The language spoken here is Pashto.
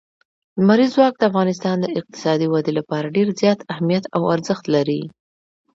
لمریز ځواک د افغانستان د اقتصادي ودې لپاره ډېر زیات اهمیت او ارزښت لري.